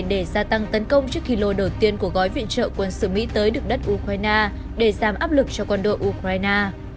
để gia tăng tấn công trước khi lô đầu tiên của gói viện trợ quân sự mỹ tới được đất ukraine để giảm áp lực cho quân đội ukraine